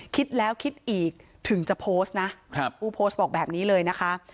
คิดแล้วคิดอีกถึงจะโพสต์นะครับผู้โพสต์บอกแบบนี้เลยนะคะ